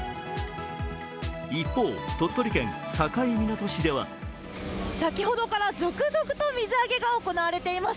一方、鳥取県境港市では先ほどから続々と水揚げが行われています。